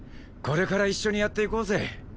これから一緒にやっていこうぜ。